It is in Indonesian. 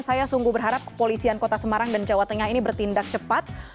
saya sungguh berharap kepolisian kota semarang dan jawa tengah ini bertindak cepat